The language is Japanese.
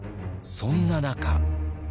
そんな中。